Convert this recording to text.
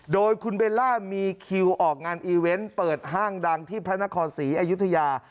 โดยคุณเบลล่ามีคิวออกงานอีเวนต์เปิดห้างดังที่พระนครศรีอยุธยา